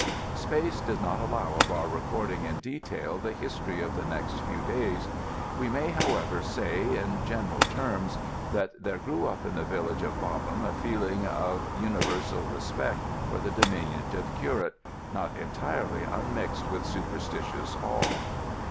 Space does not allow of our recording in detail the history of the next few days. We may, however, say in general terms that there grew up in the village of Bobham a feeling of universal respect for the diminutive curate, not entirely unmixed with superstitious awe.